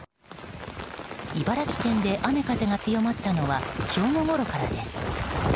茨城県で雨風が強まったのは正午ごろからです。